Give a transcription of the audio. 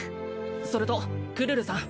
それとクルルさん